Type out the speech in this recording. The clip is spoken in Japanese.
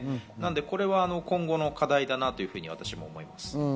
これは今後の課題だなと私も思います。